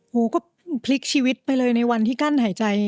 หูก็พลิกชีวิตไปเลยในวันที่กั้นหายใจ